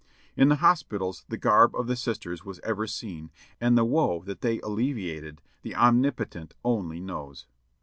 In the hospitals the garb of the sisters was ever seen, and the woe that they alleviated the Omnipotent only knows.